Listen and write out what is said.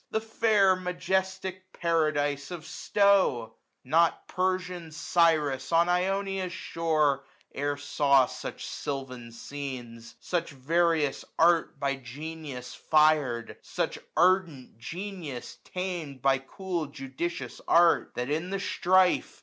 The fair majestic paradise of Stowe! 1040 Not Persian Cyrus on Ionia's shore E'er saw such silvan scenes ; such various art By genius fir'd, such ardent genius tam'd By cool judicious art ; that, in the strife.